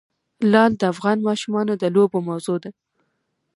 لعل د افغان ماشومانو د لوبو موضوع ده.